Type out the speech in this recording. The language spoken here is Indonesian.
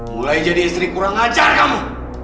mulai jadi istri kurang ajar kamu